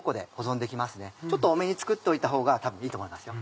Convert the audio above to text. ちょっと多めに作っといたほうが多分いいと思いますよ。